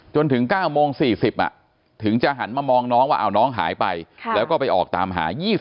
จนถึง๙โมง๔๐ถึงจะหันมามองน้องว่าน้องหายไปแล้วก็ไปออกตามหา